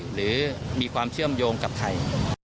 หรือมีความเชื่อมโยงกับใคร